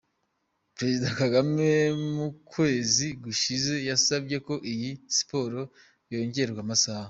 Perezida Kagame mu kwezi gushize yasabye ko iyi siporo yongererwa amasaha.